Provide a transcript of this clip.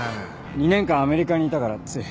２年間アメリカにいたからつい。